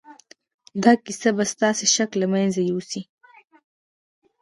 دا کیسه به ستاسې شک له منځه یوسي